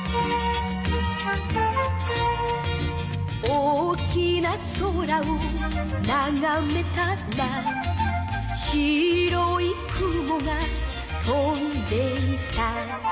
「大きな空をながめたら」「白い雲が飛んでいた」